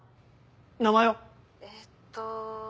名前は⁉えっと。